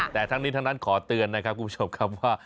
แต่ทั้งนี้ทั้งนั้นขอเตือนนะครับคุณผู้ชมครับว่า